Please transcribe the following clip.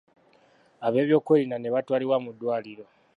Ab'ebyokwerinda ne batwalibwa mu ddwaliro.